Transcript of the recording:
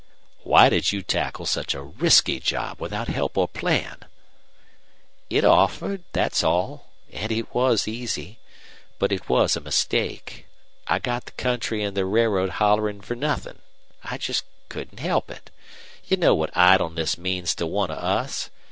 "Why did you tackle such a risky job without help or plan?" "It offered, that's all. An' it was easy. But it was a mistake. I got the country an' the railroad hollerin' for nothin'. I just couldn't help it. You know what idleness means to one of us.